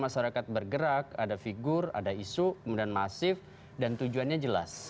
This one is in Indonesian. masyarakat bergerak ada figur ada isu kemudian masif dan tujuannya jelas